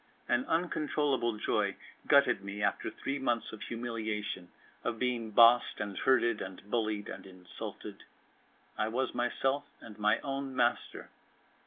An uncontrollable joy gutted me after three months of humiliation, of being bossed and herded and bullied and insulted. I was myself and my own master.